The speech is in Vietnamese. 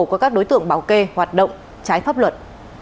của các đối tượng bảo kê hoạt động trái pháp luật